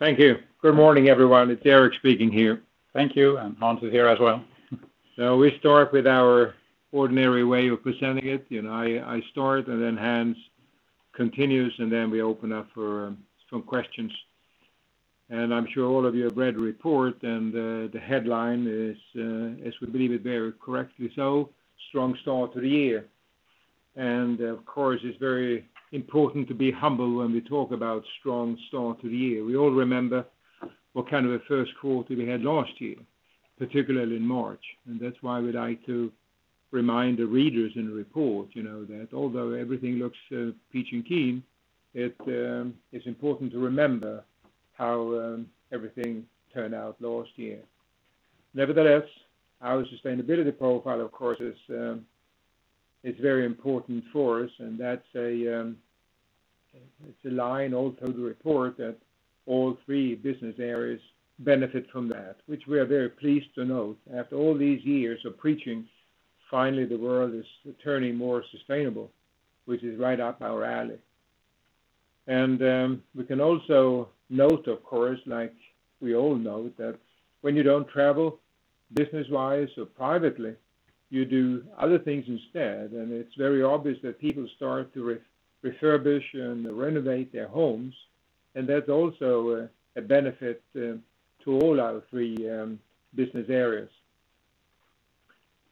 Thank you. Good morning, everyone. It's Gerteric speaking here. Thank you, and Hans is here as well. We start with our ordinary way of presenting it. I start, and then Hans continues, and then we open up for some questions. I'm sure all of you have read the report, and the headline is, as we believe it bears correctly so, "Strong start to the year." Of course, it's very important to be humble when we talk about strong start to the year. We all remember what kind of a first quarter we had last year, particularly in March, and that's why we like to remind the readers in the report that although everything looks peachy keen, it's important to remember how everything turned out last year. Our sustainability profile, of course, is very important for us, and it's a line all through the report that all three business areas benefit from that, which we are very pleased to note. After all these years of preaching, finally, the world is turning more sustainable, which is right up our alley. We can also note, of course, like we all note, that when you don't travel business-wise or privately, you do other things instead. It's very obvious that people start to refurbish and renovate their homes, and that's also a benefit to all our three business areas.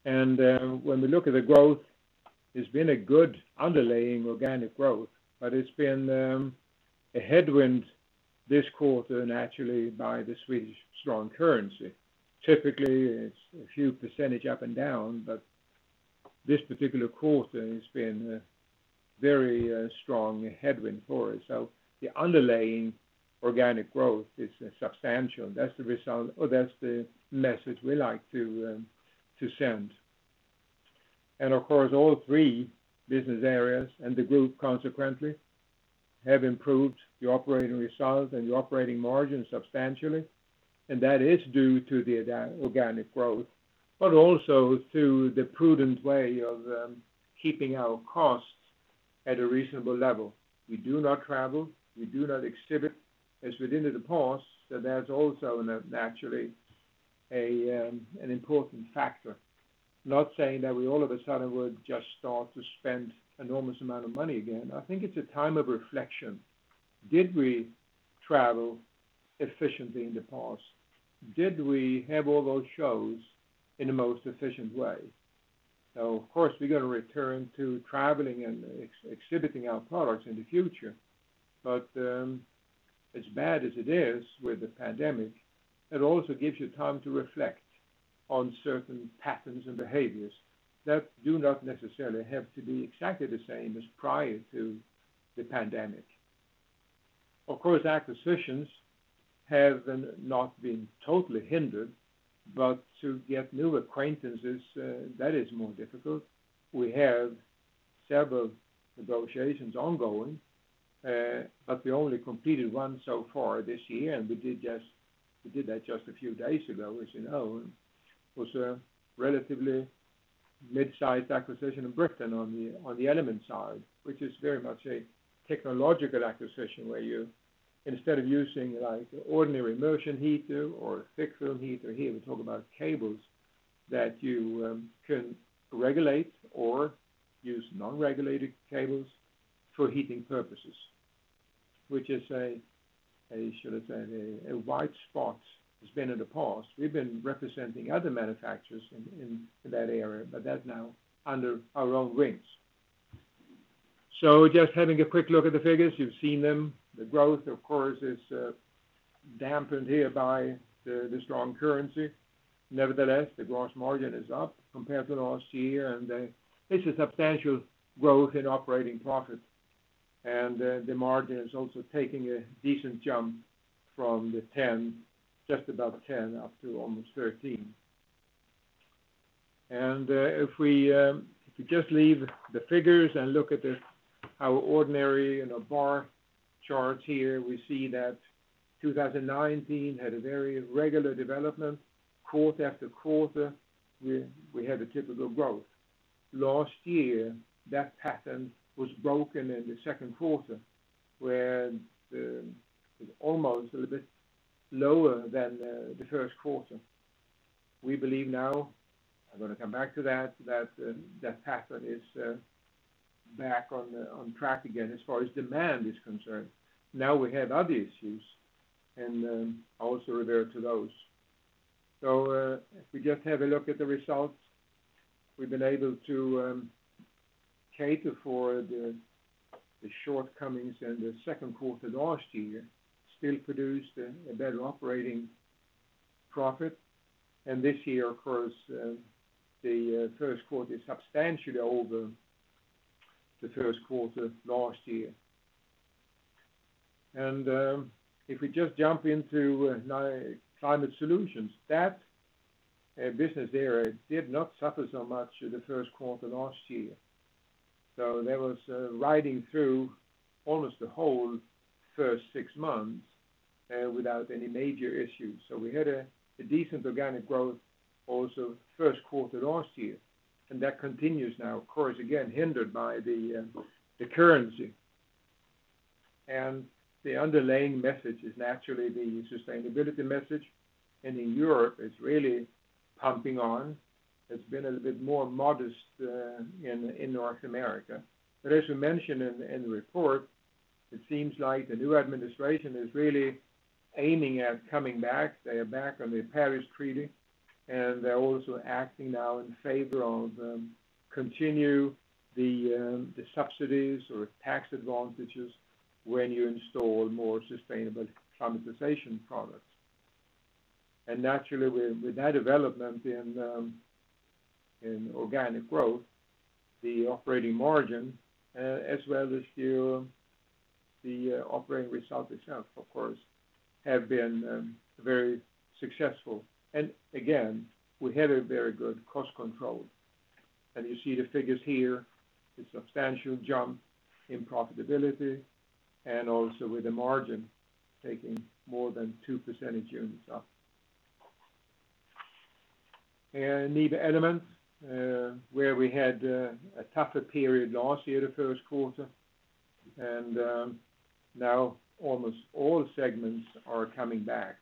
When we look at the growth, it's been a good underlying organic growth, but it's been a headwind this quarter, naturally, by the Swedish strong currency. Typically, it's a few percentage up and down, but this particular quarter has been a very strong headwind for us. The underlying organic growth is substantial. That's the message we like to send. Of course, all three business areas, and the group consequently, have improved the operating results and the operating margin substantially, and that is due to the organic growth, but also through the prudent way of keeping our costs at a reasonable level. We do not travel, we do not exhibit as we did in the past, so that's also naturally an important factor. Not saying that we all of a sudden would just start to spend enormous amount of money again. I think it's a time of reflection. Did we travel efficiently in the past? Did we have all those shows in the most efficient way? Of course, we're going to return to traveling and exhibiting our products in the future. As bad as it is with the pandemic, it also gives you time to reflect on certain patterns and behaviors that do not necessarily have to be exactly the same as prior to the pandemic. Of course, acquisitions have not been totally hindered, to get new acquaintances, that is more difficult. We have several negotiations ongoing, we only completed one so far this year, and we did that just a few days ago, as you know. It was a relatively mid-size acquisition in Britain on the Element side, which is very much a technological acquisition where you, instead of using ordinary immersion heater or thick film heater, here we talk about cables that you can regulate or use non-regulated cables for heating purposes, which is a, should I say, a white spot it's been in the past. We've been representing other manufacturers in that area, but that's now under our own wings. Just having a quick look at the figures. You've seen them. The growth, of course, is dampened here by the strong currency. Nevertheless, the gross margin is up compared to last year, and this is substantial growth in operating profit. The margin is also taking a decent jump from just about 10 up to almost 13. If we just leave the figures and look at our ordinary bar chart here, we see that 2019 had a very regular development quarter after quarter. We had a typical growth. Last year, that pattern was broken in the second quarter, where it was almost a little bit lower than the first quarter. We believe now, I'm going to come back to that pattern is back on track again as far as demand is concerned. We have other issues, and I'll also refer to those. If we just have a look at the results, we've been able to cater for the shortcomings in the second quarter of last year, still produced a better operating profit. This year, of course, the first quarter is substantially over the first quarter last year. If we just jump into Climate Solutions, that business area did not suffer so much in the first quarter last year. That was riding through almost the whole first six months without any major issues. We had a decent organic growth also first quarter last year. That continues now, of course, again, hindered by the currency. The underlying message is naturally the sustainability message. In Europe, it's really pumping on. It's been a little bit more modest in North America. As we mentioned in the report, it seems like the new administration is really aiming at coming back. They are back on the Paris Agreement, and they're also acting now in favor of continue the subsidies or tax advantages when you install more sustainable climatization products. Naturally, with that development in organic growth, the operating margin, as well as the operating result itself, of course, have been very successful. Again, we had a very good cost control. You see the figures here, the substantial jump in profitability, and also with the margin taking more than two percentage units up. NIBE Element, where we had a tougher period last year, the first quarter, and now almost all segments are coming back,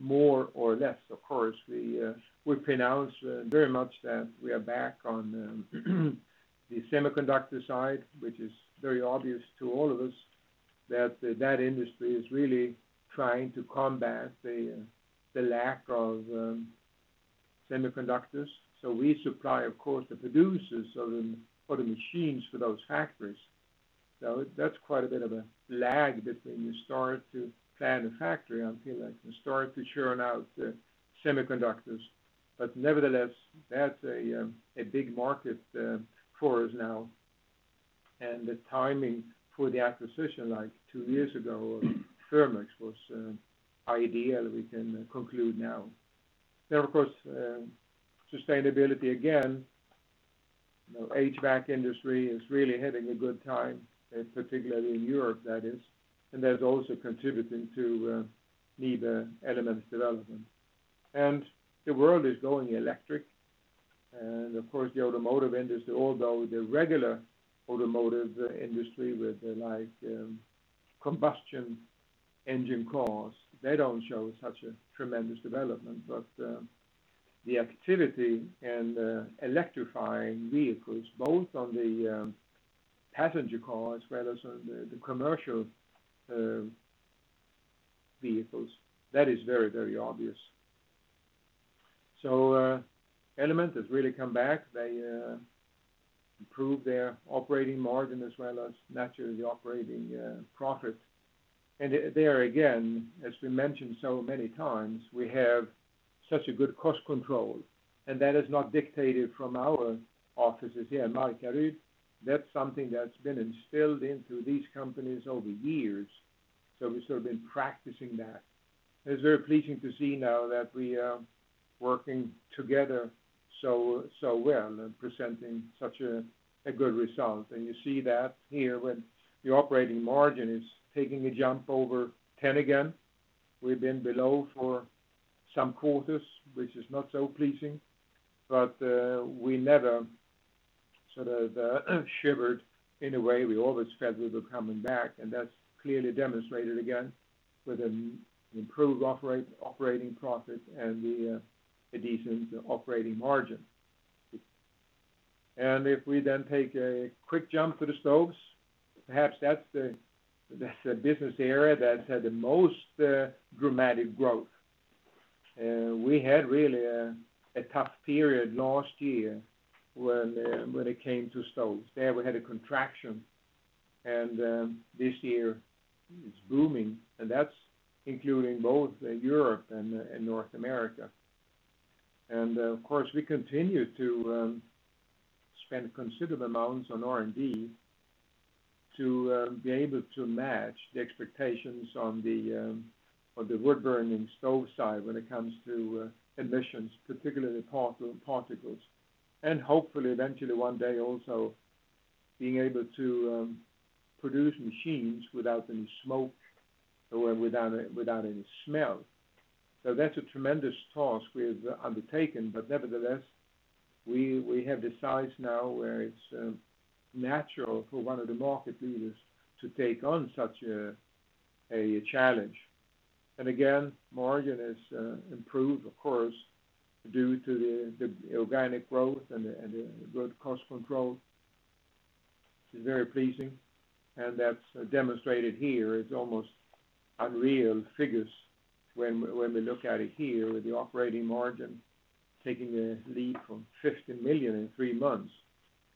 more or less, of course. We pronounce very much that we are back on the semiconductor side, which is very obvious to all of us that that industry is really trying to combat the lack of semiconductors. We supply, of course, the producers for the machines for those factories. That's quite a bit of a lag between you start to plan a factory until you can start to churn out semiconductors. Nevertheless, that's a big market for us now. The timing for the acquisition, two years ago of Therm-X was ideal, we can conclude now. Of course, sustainability again, HVAC industry is really having a good time, particularly in Europe, that is. That's also contributing to NIBE Element's development. The world is going electric, and of course, the automotive industry, although the regular automotive industry with combustion engine cars, they don't show such a tremendous development. The activity in electrifying vehicles, both on the passenger cars as well as on the commercial vehicles, that is very obvious. NIBE Element has really come back. They improved their operating margin as well as naturally operating profit. There again, as we mentioned so many times, we have such a good cost control, and that is not dictated from our offices here in Markaryd. That's something that's been instilled into these companies over years. We've sort of been practicing that. It's very pleasing to see now that we are working together so well and presenting such a good result. You see that here with the operating margin is taking a jump over 10% again. We've been below for some quarters, which is not so pleasing, but we never sort of shivered in a way. We always felt we were coming back, and that's clearly demonstrated again with an improved operating profit and a decent operating margin. If we then take a quick jump to the stoves, perhaps that's the business area that's had the most dramatic growth. We had really a tough period last year when it came to stoves. There we had a contraction, and this year it's booming, and that's including both Europe and North America. Of course, we continue to spend considerable amounts on R&D to be able to match the expectations on the wood-burning stove side when it comes to emissions, particularly particles. Hopefully, eventually one day also being able to produce machines without any smoke or without any smell. That's a tremendous task we have undertaken, but nevertheless, we have the size now where it's natural for one of the market leaders to take on such a challenge. Again, margin is improved, of course, due to the organic growth and the good cost control, which is very pleasing. That's demonstrated here. It's almost unreal figures when we look at it here with the operating margin taking a leap from 50 million in three months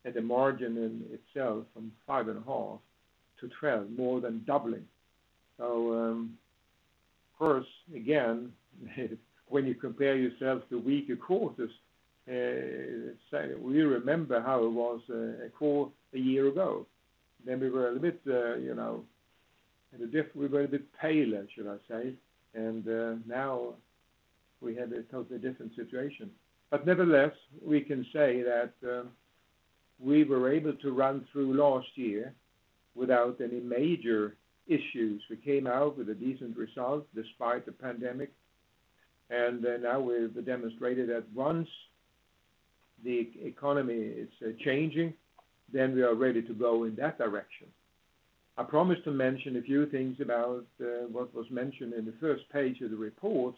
and the margin in itself from five and a half to 12, more than doubling. First, again, when you compare yourself to weaker quarters, we remember how it was a quarter a year ago. We were a bit paler, should I say, and now we have a totally different situation. Nevertheless, we can say that we were able to run through last year without any major issues. We came out with a decent result despite the pandemic. Now we've demonstrated that once the economy is changing, we are ready to go in that direction. I promised to mention a few things about what was mentioned on the first page of the report,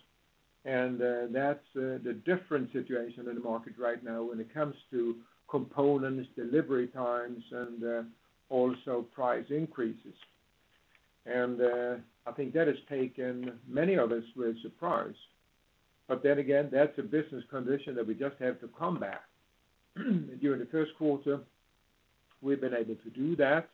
that's the different situation in the market right now when it comes to components, delivery times, and also price increases. I think that has taken many of us by surprise. Again, that's a business condition that we just have to combat. During the first quarter, we've been able to do that.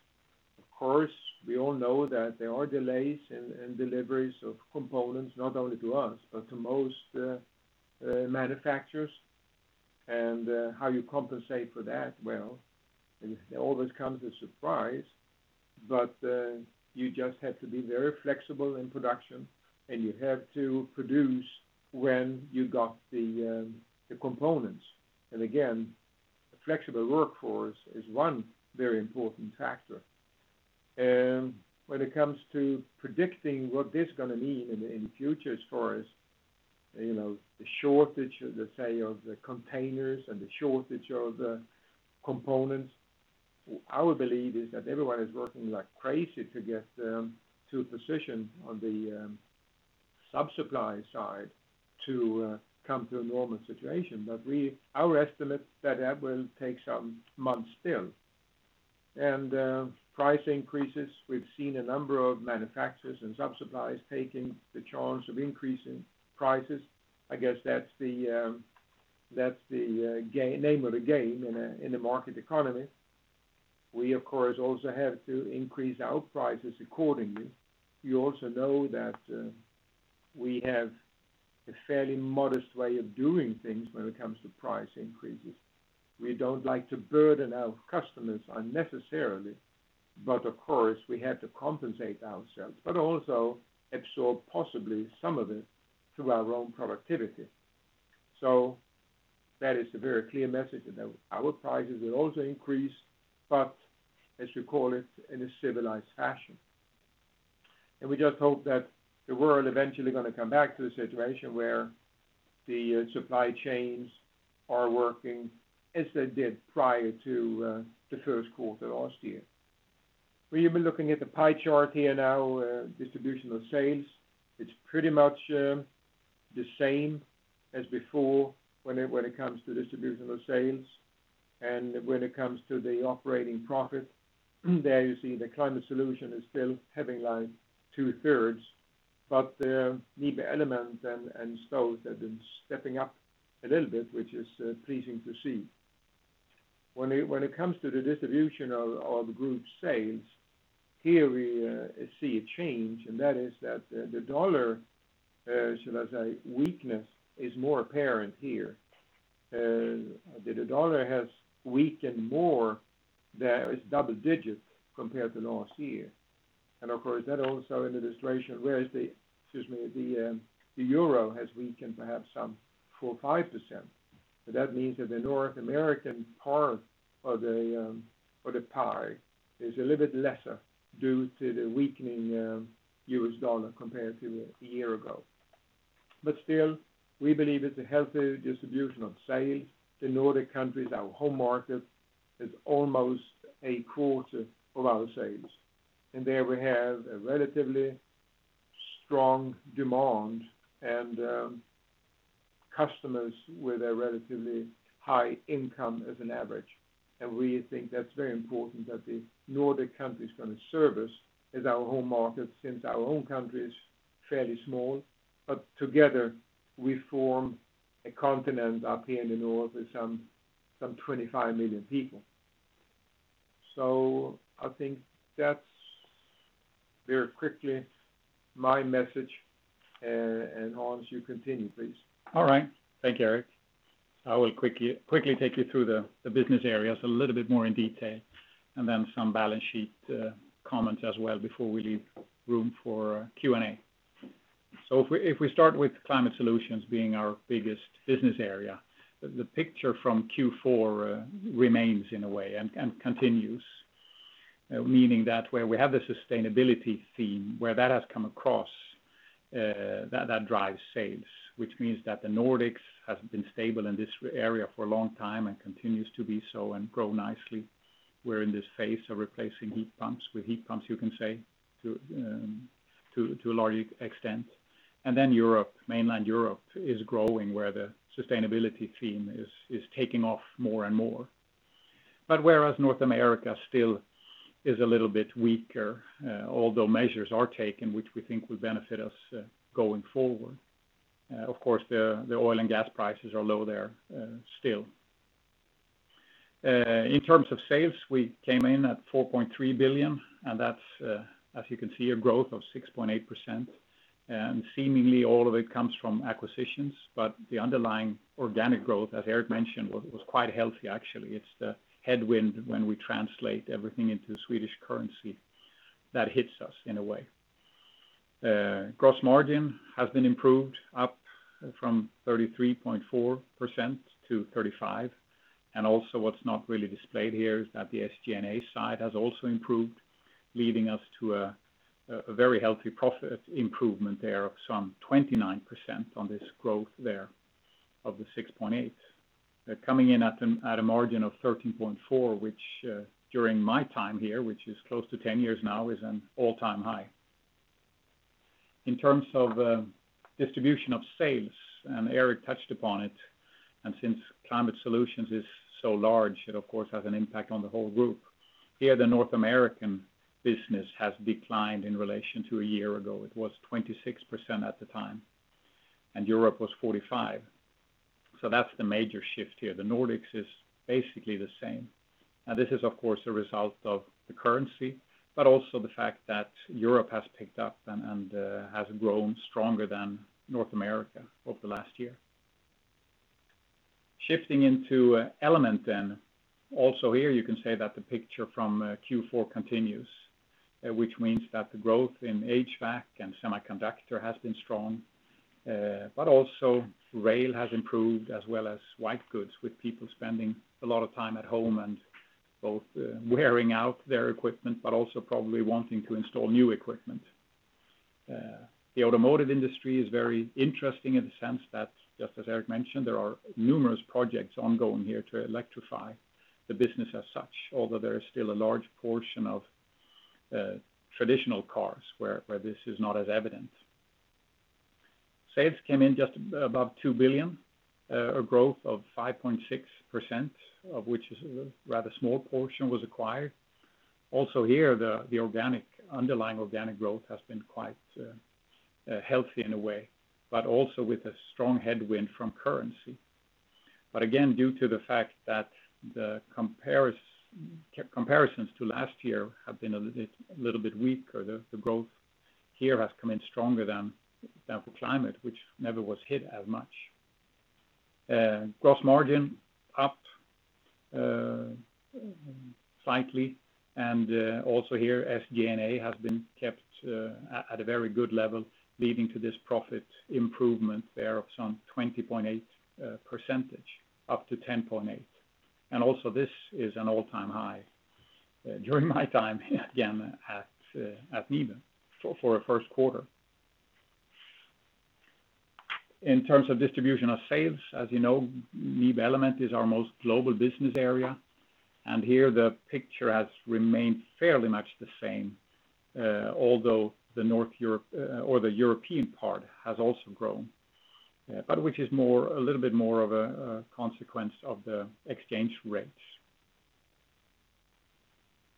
Of course, we all know that there are delays in deliveries of components, not only to us, but to most manufacturers. How you compensate for that, well, it always comes as a surprise, but you just have to be very flexible in production, and you have to produce when you got the components. Again, a flexible workforce is one very important factor. When it comes to predicting what this is going to mean in the future as far as the shortage, let's say, of the containers and the shortage of the components, our belief is that everyone is working like crazy to get to a position on the sub-supply side to come to a normal situation. Our estimate is that that will take some months still. Price increases, we've seen a number of manufacturers and sub-suppliers taking the chance of increasing prices. I guess that's the name of the game in a market economy. We, of course, also have to increase our prices accordingly. You also know that we have a fairly modest way of doing things when it comes to price increases. We don't like to burden our customers unnecessarily, but of course, we have to compensate ourselves, but also absorb possibly some of it through our own productivity. That is a very clear message that our prices will also increase, but as you call it, in a civilized fashion. We just hope that the world is eventually going to come back to a situation where the supply chains are working as they did prior to the first quarter last year. We've been looking at the pie chart here now, distribution of sales. It's pretty much the same as before when it comes to distribution of sales. When it comes to the operating profit, there you see the NIBE Climate Solutions is still having two-thirds, but the NIBE Element and NIBE Stoves have been stepping up a little bit, which is pleasing to see. When it comes to the distribution of the group's sales, here we see a change, that is that the U.S. dollar, shall I say, weakness is more apparent here. The U.S. dollar has weakened more there. It's double digits compared to last year. Of course, that also an illustration whereas the, excuse me, the EUR has weakened perhaps some 4% or 5%. That means that the North American part of the pie is a little bit lesser due to the weakening U.S. dollar compared to a year ago. Still, we believe it's a healthy distribution of sales. The Nordic countries, our home market, is almost a quarter of our sales. There we have a relatively strong demand and customers with a relatively high income as an average. We think that's very important that the Nordic countries going to serve us as our home market since our own country is fairly small, but together we form a continent up here in the north with some 25 million people. I think that's very quickly my message. Hans, you continue, please. All right. Thank you, Gerteric. I will quickly take you through the business areas a little bit more in detail, and then some balance sheet comments as well before we leave room for Q&A. If we start with NIBE Climate Solutions being our biggest business area, the picture from Q4 remains in a way and continues. Meaning that where we have the sustainability theme, where that has come across, that drives sales, which means that the Nordics has been stable in this area for a long time and continues to be so and grow nicely. We're in this phase of replacing heat pumps with heat pumps, you can say, to a large extent. Then mainland Europe is growing where the sustainability theme is taking off more and more. Whereas North America still is a little bit weaker, although measures are taken, which we think will benefit us going forward. Of course, the oil and gas prices are low there still. In terms of sales, we came in at 4.3 billion, that's, as you can see, a growth of 6.8%. Seemingly all of it comes from acquisitions, the underlying organic growth, as Gerteric mentioned, was quite healthy, actually. It's the headwind when we translate everything into the Swedish currency that hits us in a way. Gross margin has been improved up from 33.4%-35%. Also what's not really displayed here is that the SG&A side has also improved, leading us to a very healthy profit improvement there of some 29% on this growth there of the 6.8%. Coming in at a margin of 13.4%, which during my time here, which is close to 10 years now, is an all-time high. In terms of distribution of sales, and Eric touched upon it, and since Climate Solutions is so large, it of course has an impact on the whole group. Here, the North American business has declined in relation to a year ago. It was 26% at the time, and Europe was 45%. That's the major shift here. The Nordics is basically the same. This is, of course, a result of the currency, but also the fact that Europe has picked up and has grown stronger than North America over the last year. Shifting into Element then. Here, you can say that the picture from Q4 continues, which means that the growth in HVAC and semiconductor has been strong, but also rail has improved as well as white goods, with people spending a lot of time at home and both wearing out their equipment, but also probably wanting to install new equipment. The automotive industry is very interesting in the sense that, just as Eric mentioned, there are numerous projects ongoing here to electrify the business as such, although there is still a large portion of traditional cars where this is not as evident. Sales came in just above 2 billion, a growth of 5.6%, of which a rather small portion was acquired. Here, the underlying organic growth has been quite healthy in a way, but also with a strong headwind from currency. Again, due to the fact that the comparisons to last year have been a little bit weaker, the growth here has come in stronger than for Climate, which never was hit as much. Gross margin up slightly. Also here, SG&A has been kept at a very good level, leading to this profit improvement there of some 20.8% up to 10.8%. Also this is an all-time high during my time again at NIBE for a first quarter. In terms of distribution of sales, as you know, NIBE Element is our most global business area, and here the picture has remained fairly much the same, although the European part has also grown, but which is a little bit more of a consequence of the exchange rates.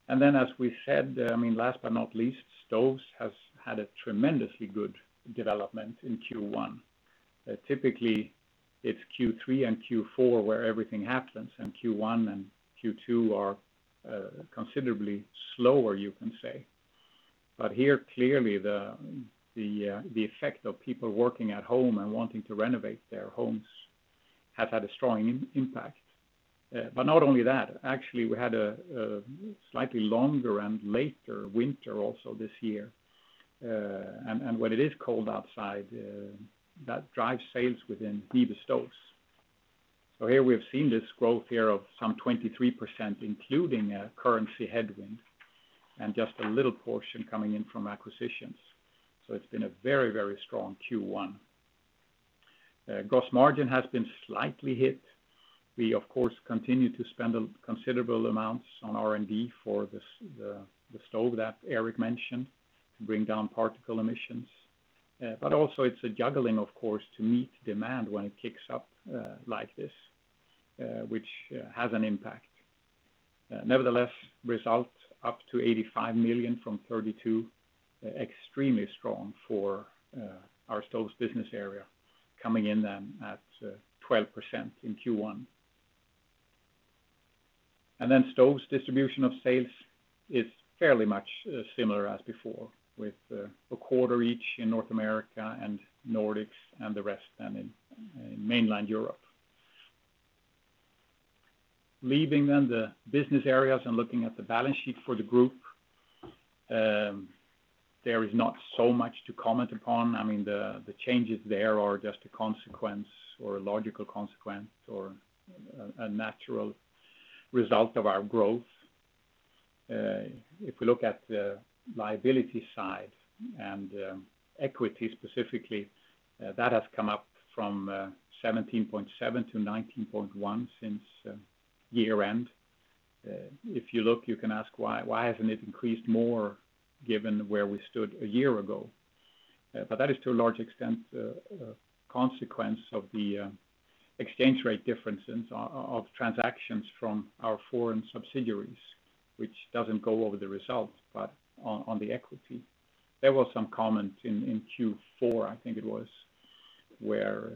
Then, as we said, last but not least, Stoves has had a tremendously good development in Q1. Typically, it's Q3 and Q4 where everything happens, and Q1 and Q2 are considerably slower, you can say. Here, clearly, the effect of people working at home and wanting to renovate their homes has had a strong impact. Not only that, actually, we had a slightly longer and later winter also this year. When it is cold outside, that drives sales within NIBE Stoves. Here we've seen this growth here of some 23%, including a currency headwind and just a little portion coming in from acquisitions. It's been a very strong Q1. Gross margin has been slightly hit. We, of course, continue to spend considerable amounts on R&D for the stove that Gerteric mentioned to bring down particle emissions. Also it's a juggling, of course, to meet demand when it kicks up like this which has an impact. Nevertheless, results up to 85 million from 32 million are extremely strong for our NIBE Stoves business area, coming in at 12% in Q1. NIBE Stoves distribution of sales is fairly much similar as before, with a quarter each in North America and Nordics and the rest then in mainland Europe. Leaving then the business areas and looking at the balance sheet for the group, there is not so much to comment upon. The changes there are just a consequence or a logical consequence or a natural result of our growth. If we look at the liability side and equity specifically, that has come up from 17.7 billion-19.1 billion since year-end. If you look, you can ask, why hasn't it increased more given where we stood a year ago? That is to a large extent a consequence of the exchange rate differences of transactions from our foreign subsidiaries, which doesn't go over the result, but on the equity. There was some comment in Q4, I think it was, where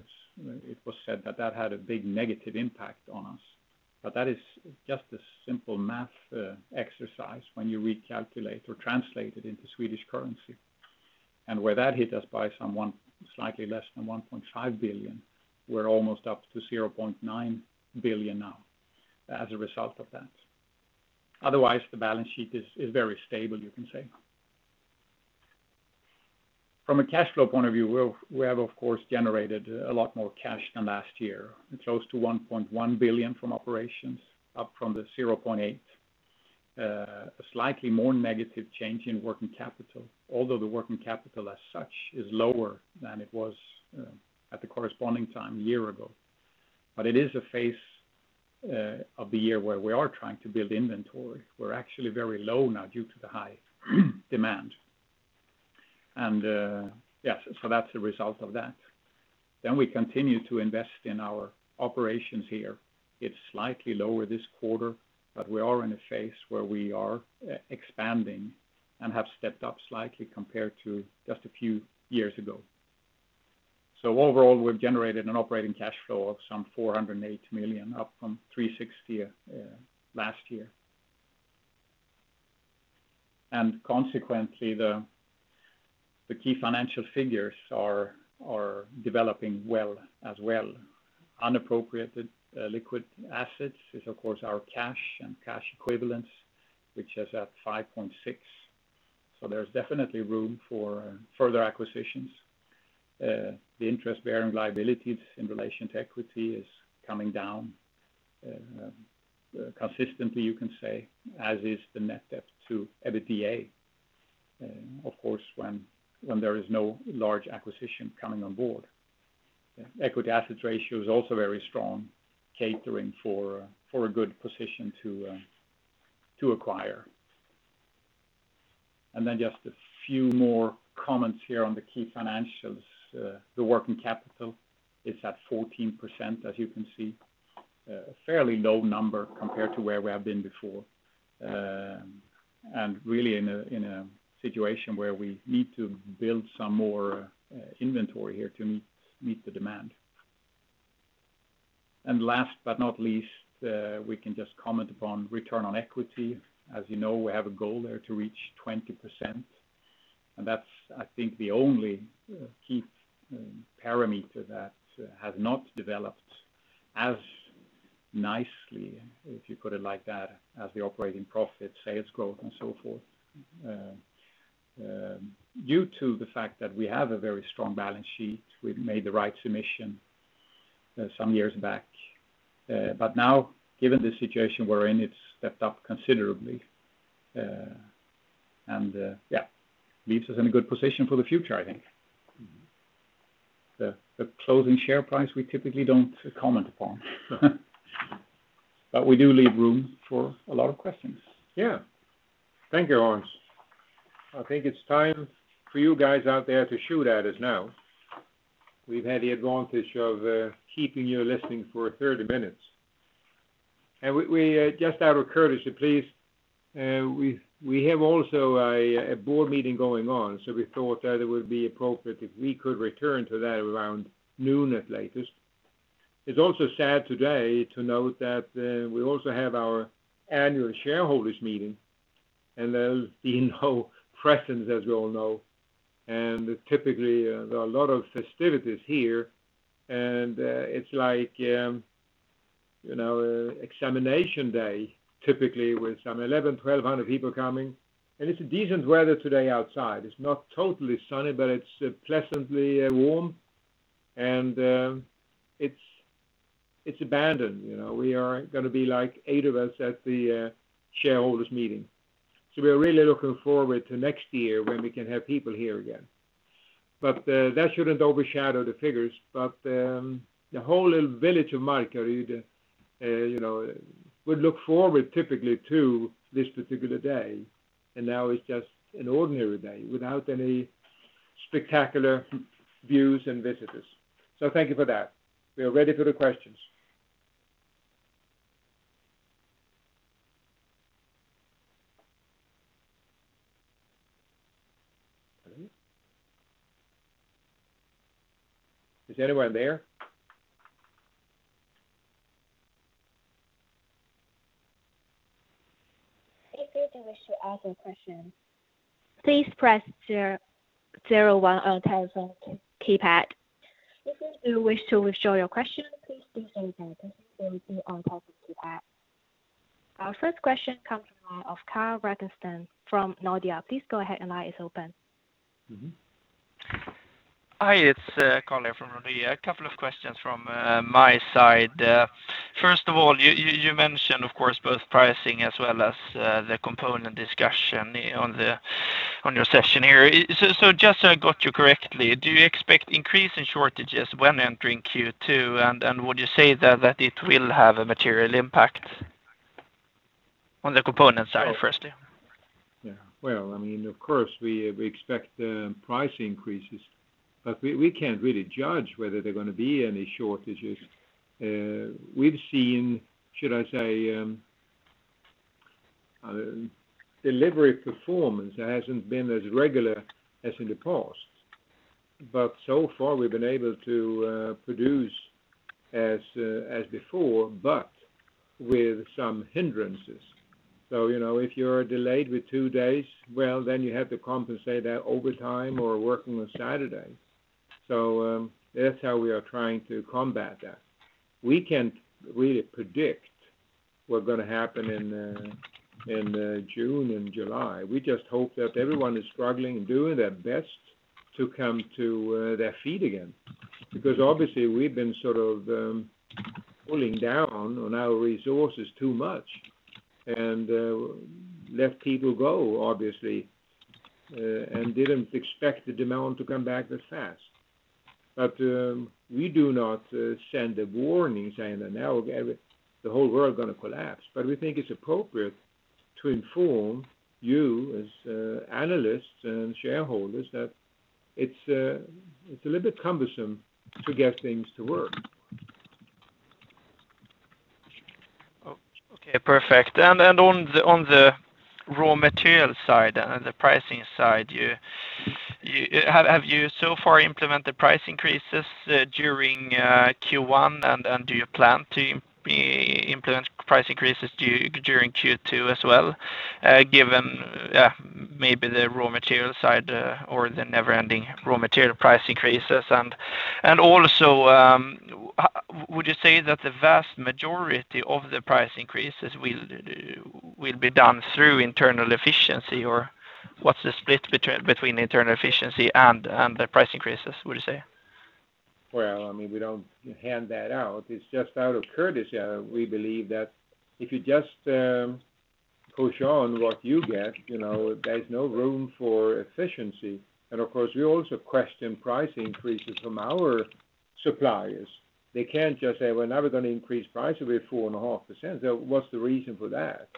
it was said that that had a big negative impact on us. That is just a simple math exercise when you recalculate or translate it into Swedish currency. Where that hit us by slightly less than 1.5 billion, we're almost up to 0.9 billion now as a result of that. Otherwise, the balance sheet is very stable, you can say. From a cash flow point of view, we have, of course, generated a lot more cash than last year. Close to 1.1 billion from operations, up from the 0.8 billion. A slightly more negative change in working capital, although the working capital as such is lower than it was at the corresponding time a year ago. It is a phase of the year where we are trying to build inventory. We're actually very low now due to the high demand. That's a result of that. We continue to invest in our operations here. It's slightly lower this quarter, but we are in a phase where we are expanding and have stepped up slightly compared to just a few years ago. Overall, we've generated an operating cash flow of some 408 million, up from 360 million last year. Consequently, the key financial figures are developing well as well. Unappropriated liquid assets is, of course, our cash and cash equivalents, which is at 5.6%. There's definitely room for further acquisitions. The interest-bearing liabilities in relation to equity is coming down consistently, you can say, as is the net debt to EBITDA. Of course, when there is no large acquisition coming on board. Equity assets ratio is also very strong, catering for a good position to acquire. Just a few more comments here on the key financials. The working capital is at 14%, as you can see. A fairly low number compared to where we have been before. Really in a situation where we need to build some more inventory here to meet the demand. Last but not least, we can just comment upon return on equity. As you know, we have a goal there to reach 20%, and that's, I think, the only key parameter that has not developed as nicely, if you put it like that, as the operating profit, sales growth and so forth. Due to the fact that we have a very strong balance sheet, we've made the rights emission some years back. Now, given the situation we're in, it's stepped up considerably. Yeah, leaves us in a good position for the future, I think. The closing share price we typically don't comment upon. We do leave room for a lot of questions. Thank you, Hans. I think it's time for you guys out there to shoot at us now. We've had the advantage of keeping you listening for 30 minutes. Just out of courtesy, please, we have also a board meeting going on, so we thought that it would be appropriate if we could return to that around noon at latest. It's also sad today to note that we also have our annual shareholders' meeting, and there'll be no presence, as we all know. Typically, there are a lot of festivities here, and it's like examination day, typically with some 1,100, 1,200 people coming. It's a decent weather today outside. It's not totally sunny, but it's pleasantly warm and it's abandoned. We are going to be eight of us at the shareholders meeting. We're really looking forward to next year when we can have people here again. That shouldn't overshadow the figures. The whole little village of Markaryd would look forward typically to this particular day, and now it's just an ordinary day without any spectacular views and visitors. Thank you for that. We are ready for the questions. Is anyone there? If you do wish to ask a question, please press zero one on telephone keypad. If you do wish to withdraw your question, please do so again by pressing the zero two on telephone keypad. Our first question comes from line of Carl Ragnerstam from Nordea. Please go ahead, your line is open. Hi, it's Carl here from Nordea. A couple of questions from my side. First of all, you mentioned, of course, both pricing as well as the component discussion on your session here. Just so I got you correctly, do you expect increase in shortages when entering Q2? Would you say that it will have a material impact on the component side, firstly? Yeah. Well, of course we expect price increases, we can't really judge whether there are going to be any shortages. We've seen, should I say, delivery performance hasn't been as regular as in the past. So far we've been able to produce as before, with some hindrances. If you're delayed with two days, well, you have to compensate that overtime or working on Saturday. That's how we are trying to combat that. We can't really predict what's going to happen in June and July. We just hope that everyone is struggling and doing their best to come to their feet again, obviously we've been sort of pulling down on our resources too much and let people go, obviously, and didn't expect the demand to come back that fast. We do not send the warnings and now the whole world's going to collapse, but we think it's appropriate to inform you as analysts and shareholders that it's a little bit cumbersome to get things to work. Okay, perfect. On the raw material side and the pricing side, have you so far implemented price increases during Q1, and do you plan to implement price increases during Q2 as well, given maybe the raw material side or the never-ending raw material price increases? Would you say that the vast majority of the price increases will be done through internal efficiency, or what's the split between internal efficiency and the price increases, would you say? Well, we don't hand that out. It's just out of courtesy. We believe that if you just push on what you get, there's no room for efficiency. Of course, we also question price increases from our suppliers. They can't just say, "We're never going to increase price above 4.5%." What's the reason for that?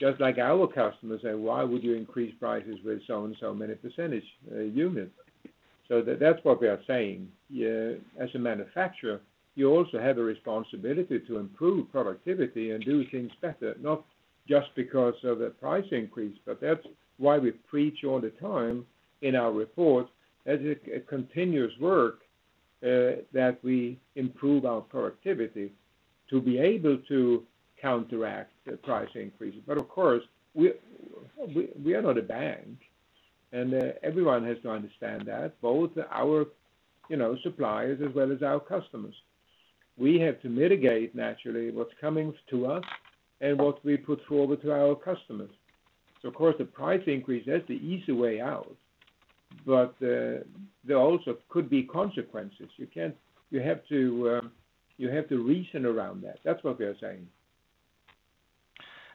Just like our customers say, "Why would you increase prices with so and so many percentage unit?" That's what we are saying. As a manufacturer, you also have a responsibility to improve productivity and do things better, not just because of the price increase. That's why we preach all the time in our report as a continuous work, that we improve our productivity to be able to counteract the price increases. Of course, we are not a bank, and everyone has to understand that, both our suppliers as well as our customers. We have to mitigate naturally what's coming to us and what we put forward to our customers. Of course, the price increase, that's the easy way out. There also could be consequences. You have to reason around that. That's what we are saying.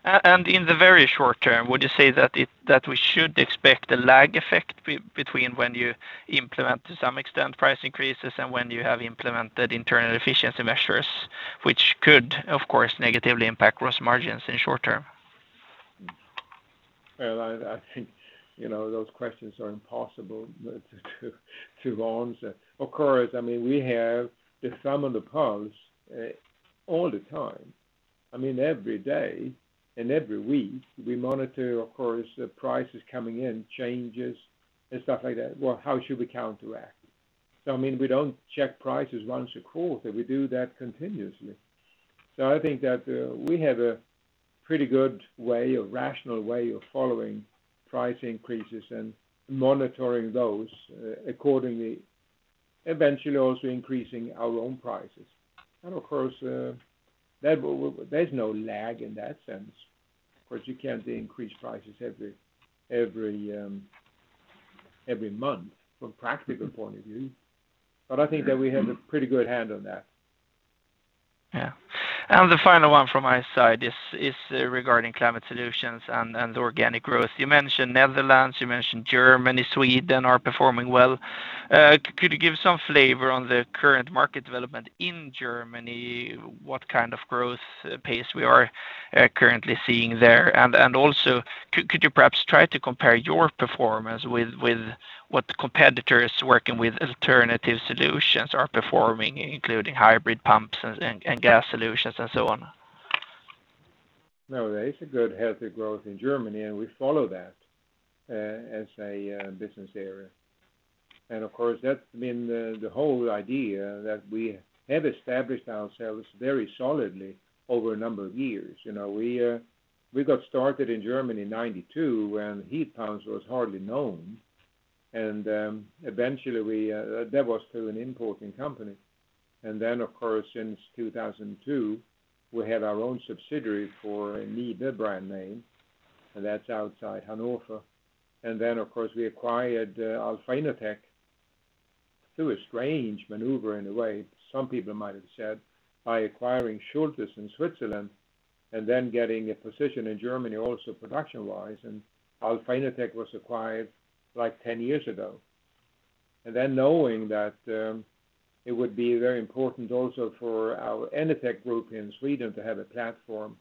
In the very short term, would you say that we should expect a lag effect between when you implement, to some extent, price increases and when you have implemented internal efficiency measures, which could, of course, negatively impact gross margins in short term? Well, I think those questions are impossible to answer. Of course, we have the thumb on the pulse all the time. Every day and every week, we monitor, of course, the prices coming in, changes and stuff like that. Well, how should we counteract? We don't check prices once a quarter. We do that continuously. I think that we have a pretty good way, a rational way of following price increases and monitoring those accordingly, eventually also increasing our own prices. Of course, there's no lag in that sense. Of course, you can't increase prices every month from a practical point of view. I think that we have a pretty good handle on that. Yeah. The final one from my side is regarding NIBE Climate Solutions and the organic growth. You mentioned Netherlands, you mentioned Germany, Sweden are performing well. Could you give some flavor on the current market development in Germany, what kind of growth pace we are currently seeing there? Also, could you perhaps try to compare your performance with what the competitors working with alternative solutions are performing, including hybrid pumps and gas solutions and so on? There is a good healthy growth in Germany, and we follow that as a business area. Of course, that's been the whole idea that we have established ourselves very solidly over a number of years. We got started in Germany in 1992 when heat pumps was hardly known. Eventually, that was through an importing company. Then, of course, since 2002, we had our own subsidiary for NIBE brand name, and that's outside Hanover. Then, of course, we acquired Alpha Innotec through a strange maneuver, in a way, some people might have said, by acquiring Schulthess in Switzerland and then getting a position in Germany also production-wise. Alpha Innotec was acquired 10 years ago. Knowing that it would be very important also for our Enertech Group in Sweden to have a platform,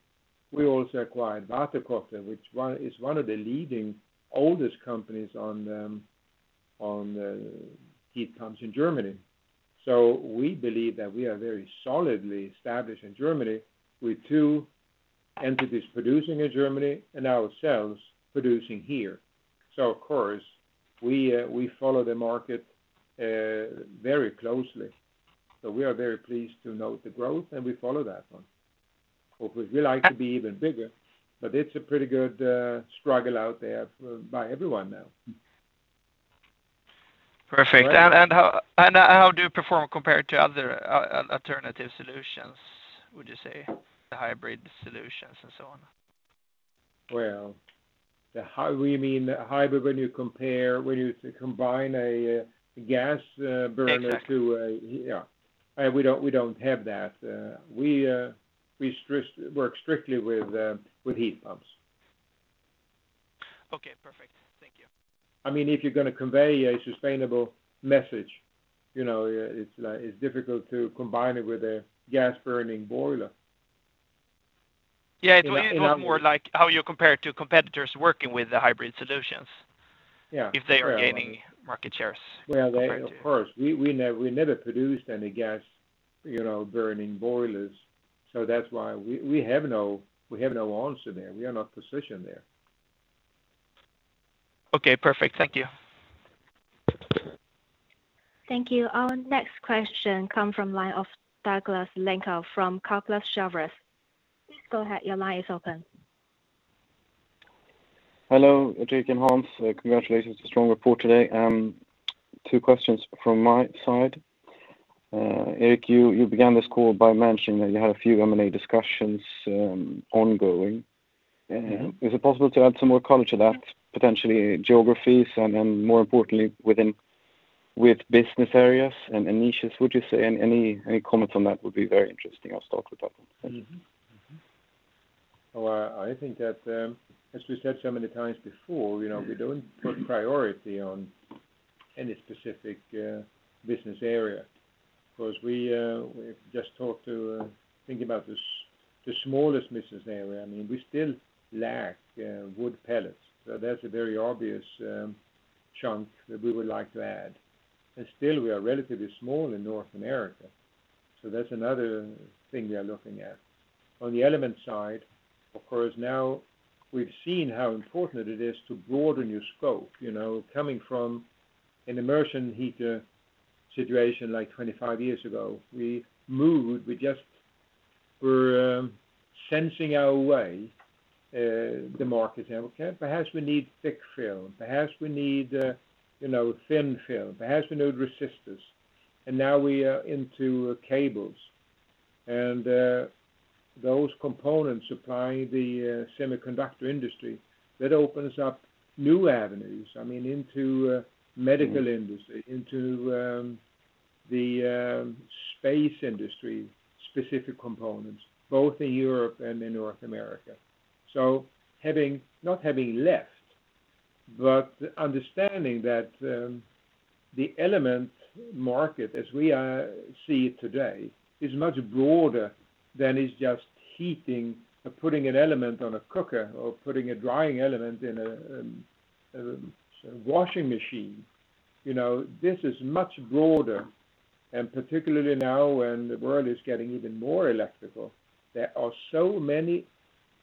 we also acquired WATERKOTTE, which is one of the leading oldest companies on heat pumps in Germany. We believe that we are very solidly established in Germany with two entities producing in Germany and ourselves producing here. Of course, we follow the market very closely. We are very pleased to note the growth, and we follow that one. Of course, we like to be even bigger, but it's a pretty good struggle out there by everyone now. Perfect. How do you perform compared to other alternative solutions, would you say, the hybrid solutions and so on? Well, you mean hybrid when you combine a gas burner to? Exactly. Yeah. We don't have that. We work strictly with heat pumps. Okay, perfect. Thank you. If you're going to convey a sustainable message, it's difficult to combine it with a gas-burning boiler. Yeah. It was more like how you compare to competitors working with the hybrid solutions. Yeah. If they are gaining market shares compared to you. Of course. We never produced any gas-burning boilers. That's why we have no answer there. We are not positioned there. Okay, perfect. Thank you. Thank you. Our next question come from line of Douglas Lindahl from Kepler Cheuvreux. Please go ahead. Your line is open. Hello, Gerteric and Hans. Congratulations. Strong report today. Two questions from my side. Gerteric, you began this call by mentioning that you had a few M&A discussions ongoing. Is it possible to add some more color to that, potentially geographies and more importantly, with business areas and niches, would you say? Any comments on that would be very interesting. I'll start with that one. Thank you. Mm-hmm. I think that, as we said so many times before, we don't put priority on any specific business area because we just talked to thinking about the smallest business area. We still lack wood pellets. That's a very obvious chunk that we would like to add. Still, we are relatively small in North America. That's another thing we are looking at. On the element side, of course, now we've seen how important it is to broaden your scope. Coming from an immersion heater situation like 25 years ago, we moved. We just were sensing our way, the market. Okay, perhaps we need thick film. Perhaps we need thin film. Perhaps we need resistors. Now we are into cables and those components supplying the semiconductor industry. That opens up new avenues into medical industry, into the space industry, specific components, both in Europe and in North America. Not having left, but understanding that the element market as we see it today is much broader than is just heating or putting an element on a cooker or putting a drying element in a washing machine. This is much broader, particularly now when the world is getting even more electrical. There are so many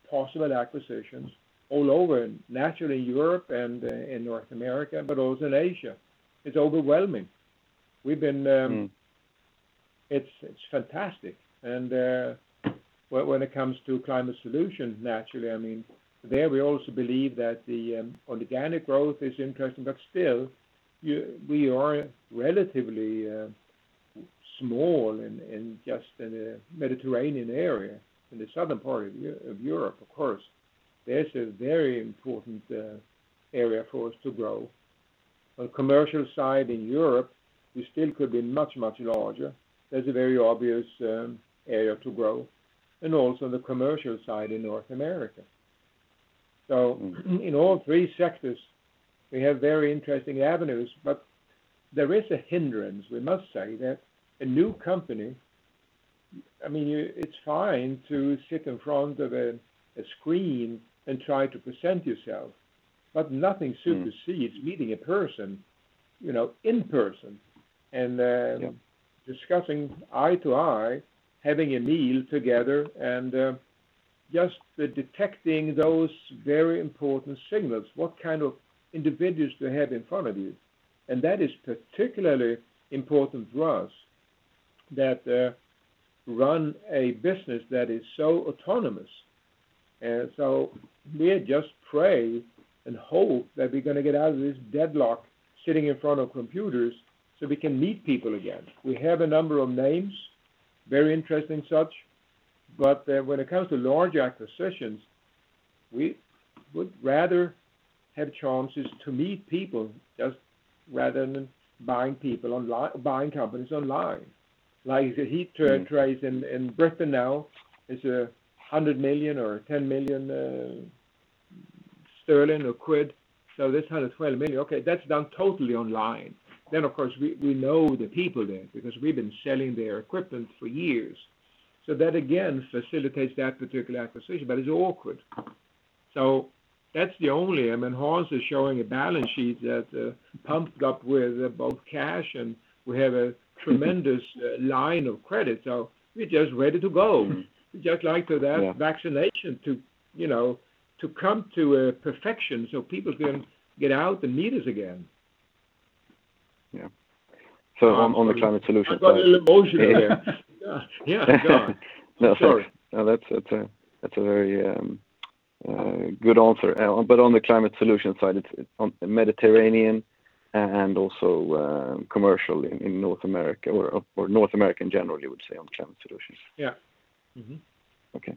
possible acquisitions all over, naturally Europe and in North America, but also in Asia. It's overwhelming. It's fantastic. When it comes to Climate Solutions, naturally, there we also believe that the organic growth is interesting, but still, we are relatively small and just in a Mediterranean area, in the southern part of Europe, of course. That's a very important area for us to grow. On the commercial side in Europe, we still could be much, much larger. In all three sectors, we have very interesting avenues, but there is a hindrance, we must say, that a new company, it's fine to sit in front of a screen and try to present yourself, but nothing supersedes meeting a person in person and. Yeah. Discussing eye to eye, having a meal together, and just detecting those very important signals, what kind of individuals you have in front of you, that is particularly important for us that run a business that is so autonomous. We just pray and hope that we're going to get out of this deadlock sitting in front of computers so we can meet people again. We have a number of names, very interesting such, but when it comes to large acquisitions, we would rather have chances to meet people just rather than buying companies online. Like the Heat Trace in the U.K. now is 100 million or 10 million sterling or quid. That's 112 million. Okay, that's done totally online. Of course, we know the people there because we've been selling their equipment for years. That, again, facilitates that particular acquisition, but it's awkward. That's the only. Hans is showing a balance sheet that pumped up with both cash, and we have a tremendous line of credit. We're just ready to go. Just like that vaccination to come to perfection so people can get out and meet us again. Yeah. on the Climate Solutions side- I got a little emotional there. Gosh. Yeah. God. No, sorry. No, that's a very good answer. On the Climate Solutions side, it's on the Mediterranean and also commercial in North America, or North American generally, I would say, on Climate Solutions. Yeah. Mm-hmm. Okay.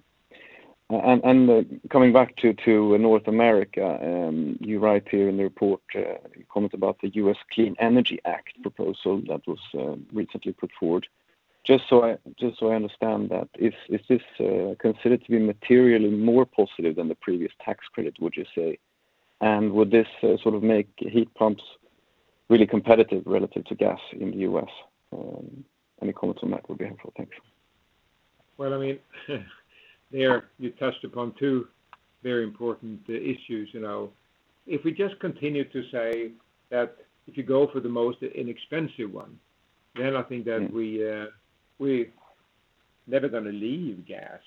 Coming back to North America, you write here in the report, you comment about the U.S. Clean Energy Act proposal that was recently put forward. Just so I understand that, is this considered to be materially more positive than the previous tax credit, would you say? Would this make heat pumps really competitive relative to gas in the U.S.? Any comments on that would be helpful. Thanks. Well, there you touched upon two very important issues. If we just continue to say that if you go for the most inexpensive one, then I think that we're never going to leave gas,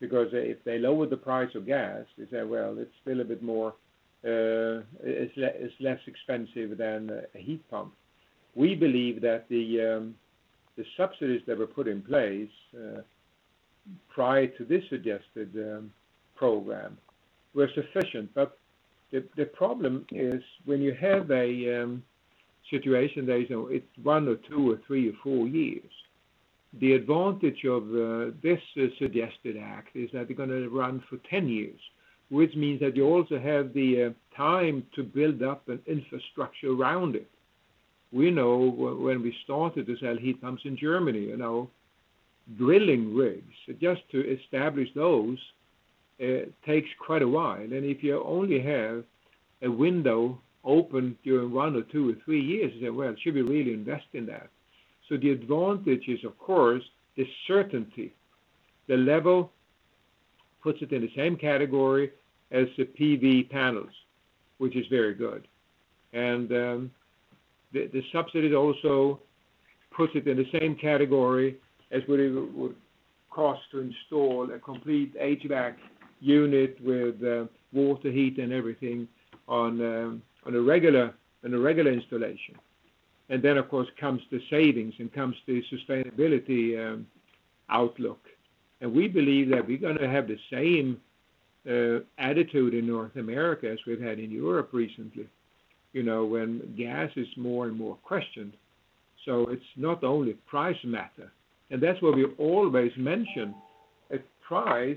because if they lower the price of gas, you say, "Well, it's less expensive than a heat pump." We believe that the subsidies that were put in place, prior to this suggested program, were sufficient. The problem is, when you have a situation that is one or two or three or four years, the advantage of this suggested Act is that they're going to run for 10 years, which means that you also have the time to build up an infrastructure around it. We know when we started to sell heat pumps in Germany, drilling rigs, just to establish those, takes quite a while. If you only have a window open during one or two or three years, you say, "Well, should we really invest in that?" The advantage is, of course, the certainty. The level puts it in the same category as the PV panels, which is very good. The subsidy also puts it in the same category as what it would cost to install a complete HVAC unit with water heat and everything on a regular installation. Then, of course, comes the savings and comes the sustainability outlook. We believe that we're going to have the same attitude in North America as we've had in Europe recently, when gas is more and more questioned. It's not only price matter. That's why we always mention if price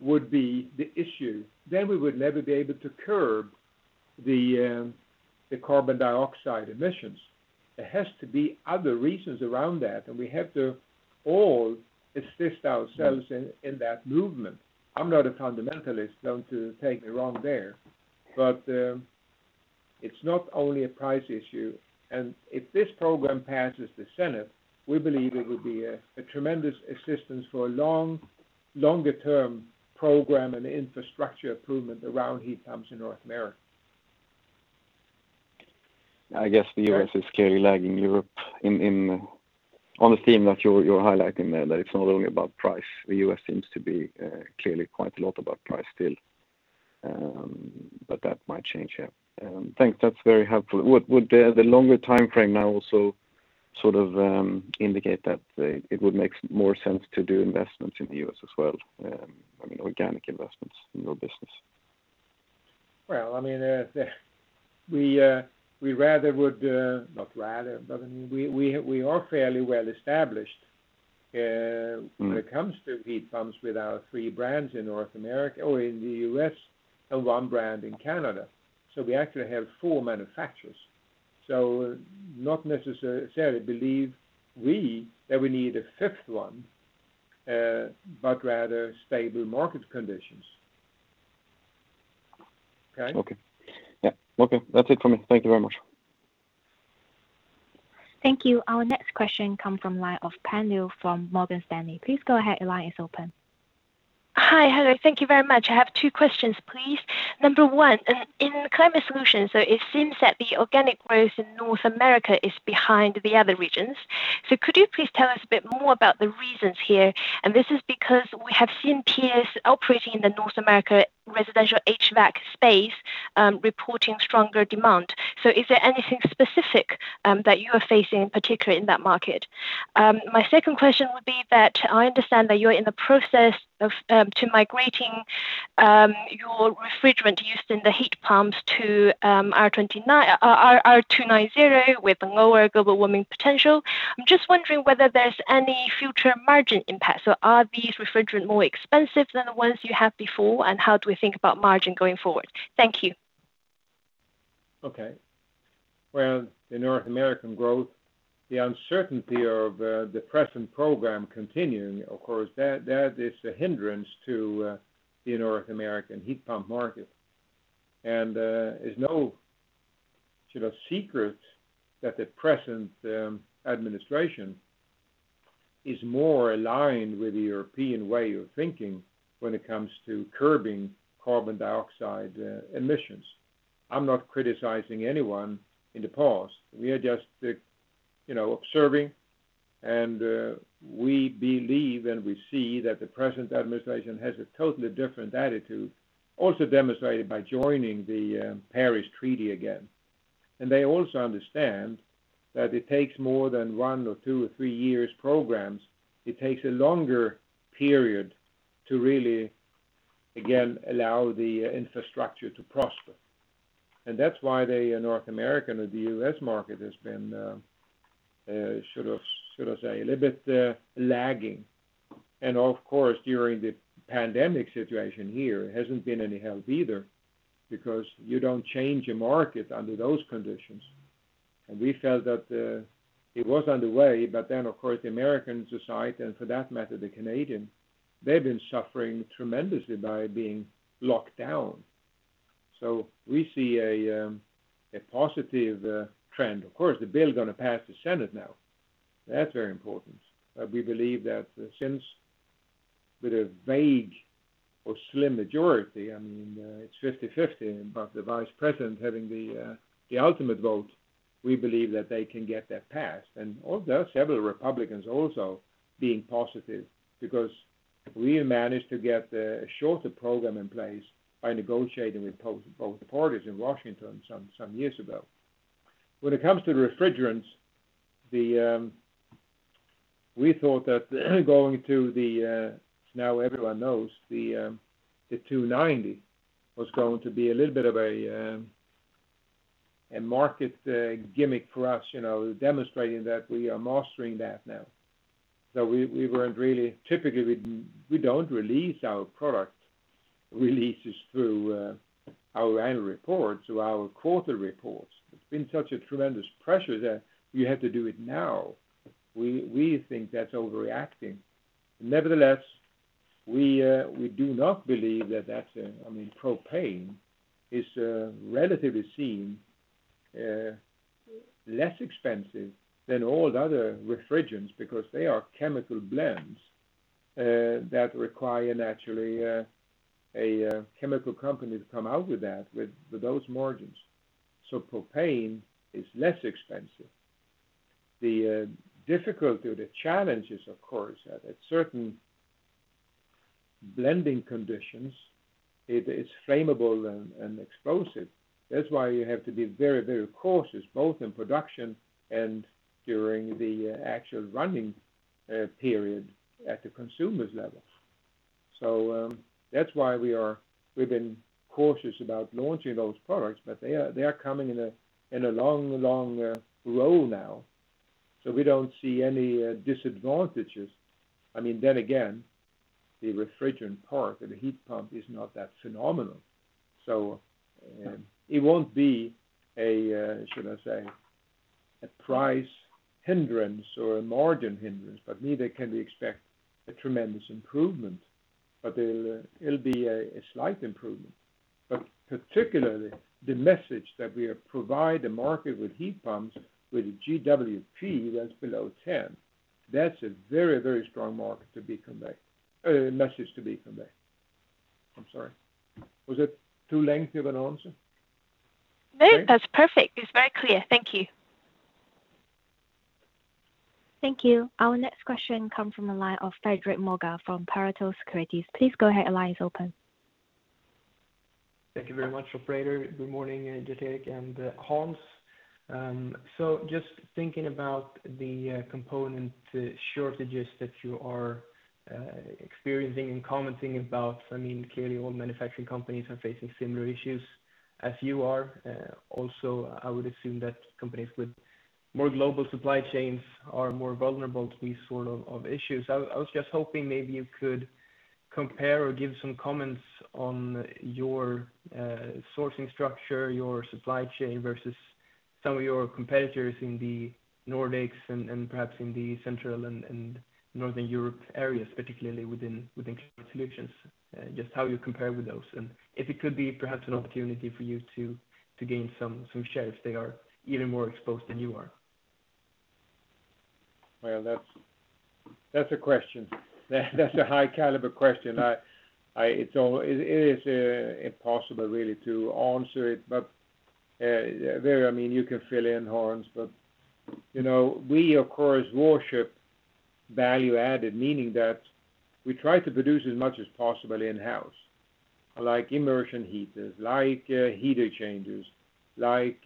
would be the issue, then we would never be able to curb the carbon dioxide emissions. There has to be other reasons around that, and we have to all assist ourselves in that movement. I'm not a fundamentalist. Don't take me wrong there. It's not only a price issue, and if this program passes the Senate, we believe it would be a tremendous assistance for a longer-term program and infrastructure improvement around heat pumps in North America. I guess the U.S. is clearly lagging Europe on the theme that you're highlighting there, that it's not only about price. The U.S. seems to be clearly quite a lot about price still. That might change. Yeah. Thanks. That's very helpful. Would the longer timeframe now also indicate that it would make more sense to do investments in the U.S. as well? I mean, organic investments in your business. Well, we are fairly well established when it comes to heat pumps with our three brands in North America, or in the U.S., and one brand in Canada. We actually have four manufacturers. Not necessarily believe we that we need a fifth one, but rather stable market conditions. Okay? Okay. Yeah. Okay. That's it from me. Thank you very much. Thank you. Our next question come from line of Pam Liu from Morgan Stanley. Please go ahead. Hi. Hello. Thank you very much. I have two questions, please. Number one, in the NIBE Climate Solutions, it seems that the organic growth in North America is behind the other regions. Could you please tell us a bit more about the reasons here? This is because we have seen peers operating in the North America residential HVAC space, reporting stronger demand. Is there anything specific that you are facing in particular in that market? My second question would be that I understand that you're in the process to migrating your refrigerant used in the heat pumps to R290 with a lower global warming potential. I'm just wondering whether there's any future margin impact. Are these refrigerant more expensive than the ones you had before, and how do we think about margin going forward? Thank you. Okay. Well, the North American growth, the uncertainty of the present program continuing, of course, that is a hindrance to the North American heat pump market. It's no secret that the present administration is more aligned with the European way of thinking when it comes to curbing carbon dioxide emissions. I'm not criticizing anyone in the past. We are just observing. We believe and we see that the present administration has a totally different attitude, also demonstrated by joining the Paris Agreement again. They also understand that it takes more than one or two or three years programs. It takes a longer period to really, again, allow the infrastructure to prosper. That's why the North American or the U.S. market has been, should I say, a little bit lagging. Of course, during the pandemic situation here, it has not been any help either, because you do not change a market under those conditions. We felt that it was underway, but then, of course, the U.S. society, and for that matter, the Canadian, they have been suffering tremendously by being locked down. We see a positive trend. Of course, the bill is going to pass the Senate now. That is very important. We believe that since with a vague or slim majority, I mean, it is 50/50, but the vice president having the ultimate vote, we believe that they can get that passed. There are several Republicans also being positive because we managed to get a shorter program in place by negotiating with both parties in Washington some years ago. When it comes to the refrigerants, we thought that going to the, now everyone knows, the R290 was going to be a little bit of a market gimmick for us, demonstrating that we are mastering that now. Typically, we don't release our product releases through our annual report, through our quarter reports. It's been such a tremendous pressure that we have to do it now. We think that's overreacting. Nevertheless, we do not believe that that's a I mean, propane is relatively seen less expensive than all the other refrigerants because they are chemical blends that require naturally a chemical company to come out with that with those margins. Propane is less expensive. The difficulty or the challenge is, of course, at certain blending conditions, it's flammable and explosive. That's why you have to be very, very cautious, both in production and during the actual running period at the consumer's levels. That's why we've been cautious about launching those products, but they are coming in a long, long row now, we don't see any disadvantages. I mean, then again, the refrigerant part of the heat pump is not that phenomenal. It won't be a, should I say, a price hindrance or a margin hindrance, but neither can we expect a tremendous improvement. It'll be a slight improvement. Particularly the message that we provide the market with heat pumps with a GWP that's below 10, that's a very, very strong market to be conveyed. A message to be conveyed. I'm sorry. Was it too lengthy of an answer? No, that's perfect. It's very clear. Thank you. Thank you. Our next question come from the line of Fredrik Moregård from Pareto Securities. Please go ahead. Your line is open. Thank you very much, operator. Good morning, Gerteric and Hans. Just thinking about the component shortages that you are experiencing and commenting about, clearly all manufacturing companies are facing similar issues as you are. Also, I would assume that companies with more global supply chains are more vulnerable to these sort of issues. I was just hoping maybe you could compare or give some comments on your sourcing structure, your supply chain versus some of your competitors in the Nordics and perhaps in the Central and Northern Europe areas, particularly within Climate Solutions, just how you compare with those and if it could be perhaps an opportunity for you to gain some share if they are even more exposed than you are Well, that's a question. That's a high caliber question. It is impossible really to answer it. You can fill in, Hans. We, of course, worship value added, meaning that we try to produce as much as possible in-house, like immersion heaters, like heat exchangers, like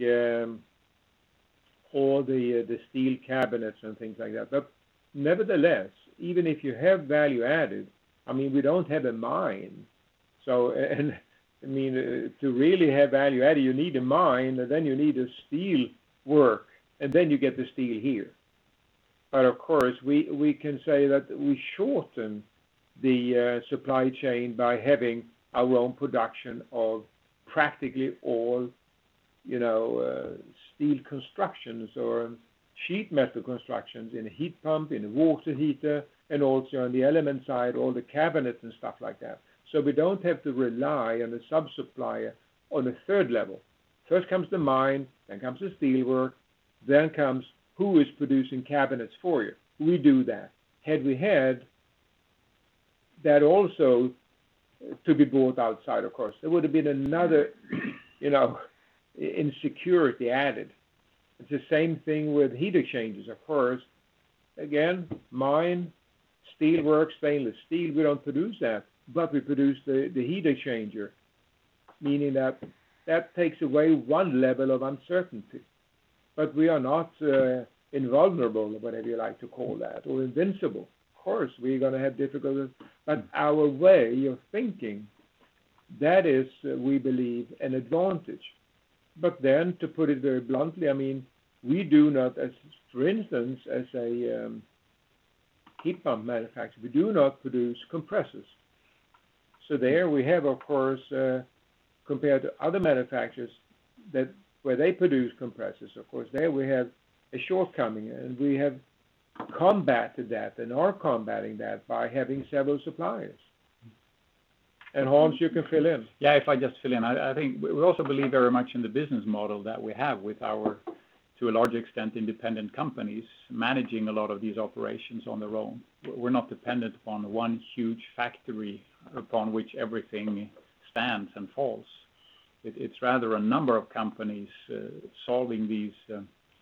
all the steel cabinets and things like that. Nevertheless, even if you have value added, we don't have a mine. To really have value added, you need a mine, and then you need a steel work, and then you get the steel here. Of course, we can say that we shorten the supply chain by having our own production of practically all steel constructions or sheet metal constructions in a heat pump, in a water heater, and also on the Element side, all the cabinets and stuff like that. We don't have to rely on the sub-supplier on a third level. First comes the mine, then comes the steelworks, then comes who is producing cabinets for you. We do that. That also to be brought outside, of course. It would have been another insecurity added. It's the same thing with heat exchangers, of course. Again, mine, steelworks, stainless steel, we don't produce that, but we produce the heat exchanger, meaning that takes away one level of uncertainty. We are not invulnerable or whatever you like to call that, or invincible. Of course, we're going to have difficulties, but our way of thinking, that is, we believe, an advantage. To put it very bluntly, we do not, for instance, as a heat pump manufacturer, we do not produce compressors. There we have, of course, compared to other manufacturers where they produce compressors, there we have a shortcoming, and we have combatted that and are combating that by having several suppliers. Hans, you can fill in. If I just fill in. I think we also believe very much in the business model that we have with our, to a large extent, independent companies managing a lot of these operations on their own. We're not dependent upon one huge factory upon which everything stands and falls. It's rather a number of companies solving these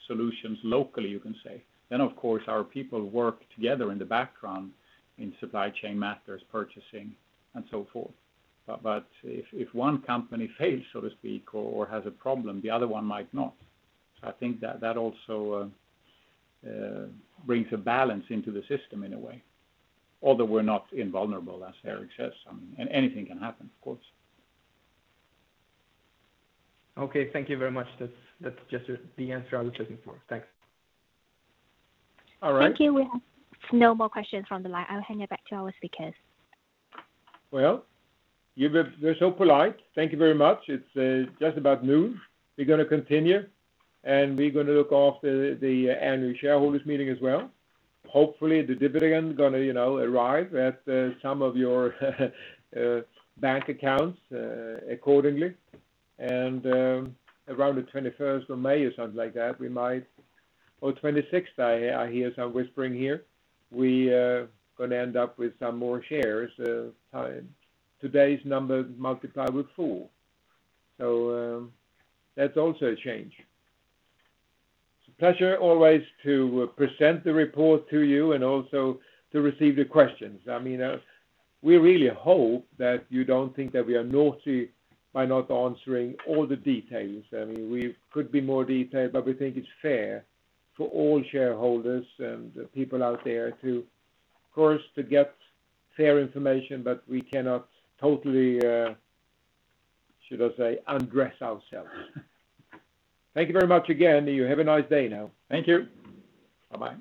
solutions locally, you can say. Of course, our people work together in the background in supply chain matters, purchasing, and so forth. If one company fails, so to speak, or has a problem, the other one might not. I think that also brings a balance into the system in a way. Although we're not invulnerable, as Eric says. Anything can happen, of course. Okay. Thank you very much. That's just the answer I was looking for. Thanks. All right. Thank you. We have no more questions from the line. I'll hand it back to our speakers. Well, they're so polite. Thank you very much. It's just about noon. We're going to continue, and we're going to look after the annual shareholders meeting as well. Hopefully, the dividend is going to arrive at some of your bank accounts accordingly. Around the 21st of May or something like that, or 26th, I hear some whispering here, we are going to end up with some more shares. Today's number multiplied with four. That's also a change. It's a pleasure always to present the report to you and also to receive the questions. We really hope that you don't think that we are naughty by not answering all the details. We could be more detailed, but we think it's fair for all shareholders and people out there, of course, to get fair information, but we cannot totally, should I say, undress ourselves. Thank you very much again. You have a nice day now. Thank you. Bye-bye.